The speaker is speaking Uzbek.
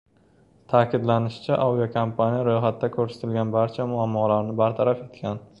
Ta’kidlanishicha, aviakompaniya ro‘yxatda ko‘rsatilgan barcha muammolarni bartaraf etgan